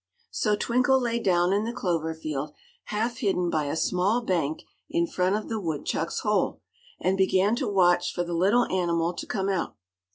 So Twinkle lay down in the clover field, half hidden by a small bank in front of the woodchuck's hole, and began to watch for the little animal to come out.